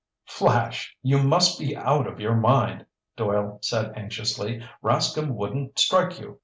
"Flash, you must be out of your mind," Doyle said anxiously. "Rascomb wouldn't strike you.